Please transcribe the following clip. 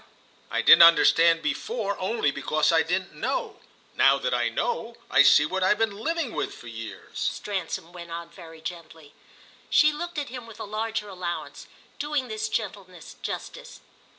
"I didn't understand before only because I didn't know. Now that I know, I see what I've been living with for years," Stransom went on very gently. She looked at him with a larger allowance, doing this gentleness justice.